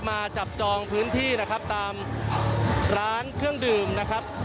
มาจับจองพื้นที่นะครับตามร้านเครื่องดื่มนะครับ